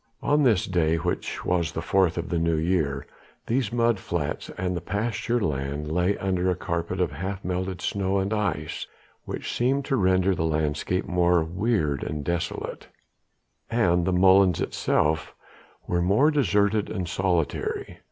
On this day which was the fourth of the New Year, these mud flats and the pasture land lay under a carpet of half melted snow and ice which seemed to render the landscape more weird and desolate, and the molens itself more deserted and solitary.